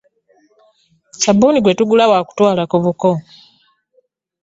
Ssabuuni gwe tugula wa kutwala ku buko.